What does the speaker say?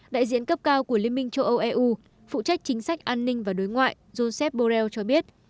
đại diện cấp cao của liên minh châu âu eu phụ trách chính sách an ninh và đối ngoại joseph borrell cho biết